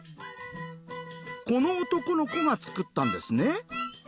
この男の子が作ったんですね。